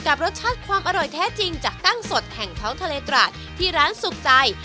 รสชาติความอร่อยแท้จริงจากตั้งสดแห่งท้องทะเลตราดที่ร้านสุขใจ